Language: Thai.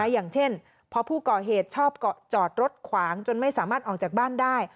อย่างเช่นพอผู้ก่อเหตุชอบจอดรถขวางจนไม่สามารถออกจากบ้านได้